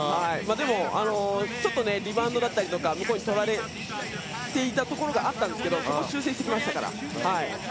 でもリバウンドだったりとか向こうに取られていたところがあったんですけどそこを修正してきましたから。